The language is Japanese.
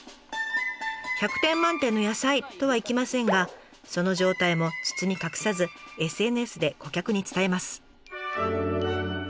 １００点満点の野菜とはいきませんがその状態も包み隠さずＳＮＳで顧客に伝えます。